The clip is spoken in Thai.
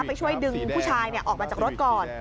ไปช่วยดึงผู้ชายออกมาจากรถก่อน